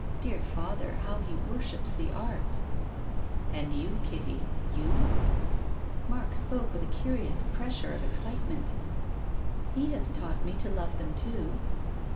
Dear father — how he worships the arts !"" And you, Kitty — you ?" Mark spoke with a curious pressure of excite ment. " He has taught mc to love them too."